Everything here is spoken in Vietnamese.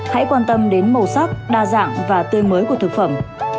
hãy quan tâm đến màu sắc đa dạng và tươi mới của thực phẩm